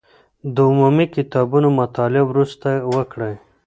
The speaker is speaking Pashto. د عمومي کتابونو مطالعه وروسته وکړئ.